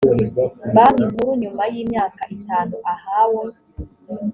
banki nkuru nyuma y imyaka itanu ahawe